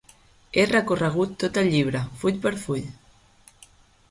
He recorregut tot el llibre, full per full.